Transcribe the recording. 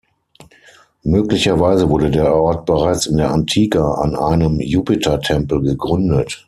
Möglicherweise wurde der Ort bereits in der Antike an einem Jupitertempel gegründet.